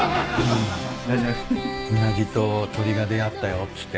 うなぎと鶏が出合ったよっつって。